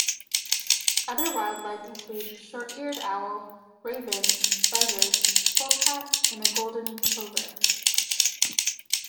Other wildlife include short-eared owl, raven, buzzard, polecat and golden plover.